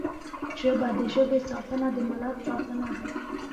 ژبه د ژبې ساتنه د ملت ساتنه ده